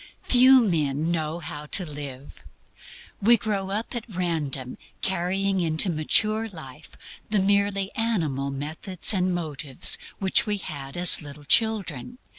Few men know how to live. We grow up at random carrying into mature life the merely animal methods and motives which we had as little children.